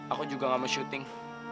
aku juga gak mau syuting